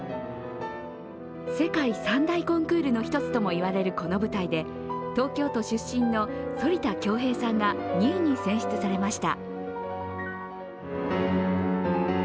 世界三大コンクールの一つともいわれるこの舞台で東京都出身の反田恭平さんが２位に選出されました。